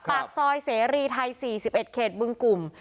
ปากซอยเสรีไทยสี่สิบเอ็ดเขตเบื้องกลุ่ม